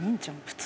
普通。